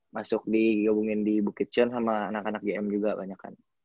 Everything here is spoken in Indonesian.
masuk di gabungin di book kitchen sama anak anak gm juga banyak kan